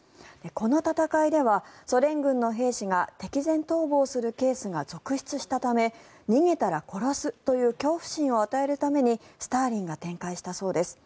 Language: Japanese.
この戦いでは、ソ連軍の兵士が敵前逃亡するケースが続出したため逃げたら殺すという恐怖心を与えるためにスターリンが展開したそうです。